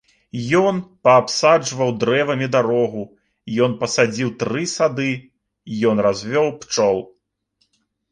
Ён паабсаджваў дрэвамі дарогу, ён пасадзіў тры сады, ён развёў пчол.